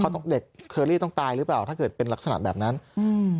เขาต้องเด็กเคอรี่ต้องตายหรือเปล่าถ้าเกิดเป็นลักษณะแบบนั้นอืม